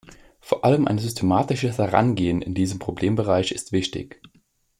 Vor allem ein systematisches Herangehen in diesem Problembereich ist wichtig.